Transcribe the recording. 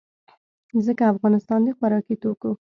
ځکه افغانستان د خوراکي توکو